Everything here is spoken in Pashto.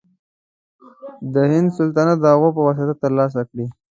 د هند سلطنت د هغه په واسطه تر لاسه کړي.